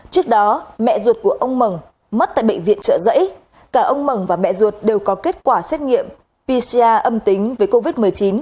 trước đó mẹ ruột của ông mầng mắt tại bệnh viện trợ giấy cả ông mầng và mẹ ruột đều có kết quả xét nghiệm pcr âm tính với covid một mươi chín